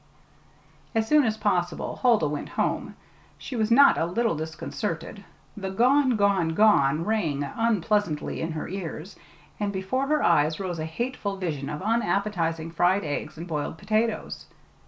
As soon as possible Huldah went home. She was not a little disconcerted. The "gone gone gone" rang unpleasantly in her ears, and before her eyes rose a hateful vision of unappetizing fried eggs and boiled potatoes.